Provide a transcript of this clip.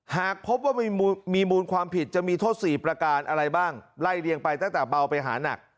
หากพบว่ามีมูลความผิดจะมีโทษ๔ประการอะไรบ้างไล่เรียงไปตั้งแต่เบาไปหานัก